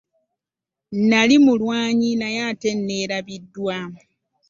"Nali mulwanyi naye ate nneerabiddwa."